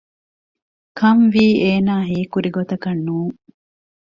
ކަންވީ އޭނާ ހީކުރި ގޮތަކަށް ނޫން